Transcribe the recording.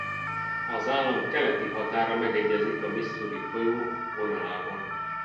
Az állam keleti határa megegyezik a Missouri folyó vonalával.